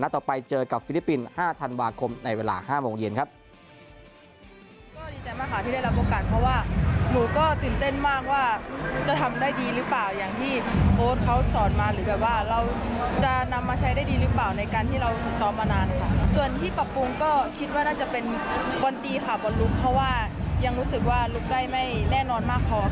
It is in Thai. ต่อไปเจอกับฟิลิปปินส์๕ธันวาคมในเวลา๕โมงเย็นครับ